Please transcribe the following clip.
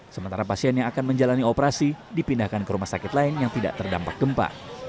sementara pasien yang akan menjalani operasi dipindahkan ke rumah sakit lain yang tidak terdampak gempa